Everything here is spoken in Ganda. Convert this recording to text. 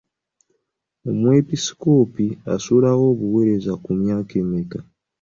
Omwepiskoopi asuulawo obuweereza ku myaka emeka?